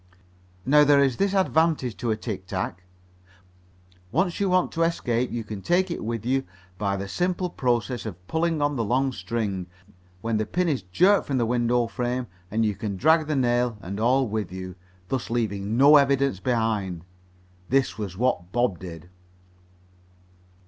Now there is this advantage to a tic tac. Once you want to escape you can take it with you by the simple process of pulling on the long string, when the pin is jerked from the window frame, and you can drag the nail and all with you, thus leaving no evidence behind. This was what Bob did.